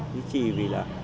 duy trì vì là